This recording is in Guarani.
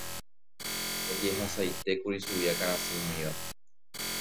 Ojehasaitékuri chugui akãrasy umíva.